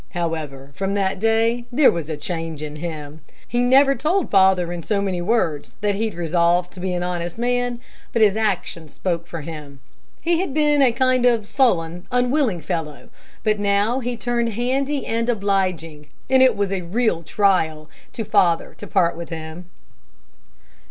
However, from that day there was a change in him. He never told father in so many words that he' d resolved to be an honest man, but his actions spoke for him. He had been a kind of sullen, unwilling fellow, but now he turned handy and obliging, and it was a real trial to father to part with him."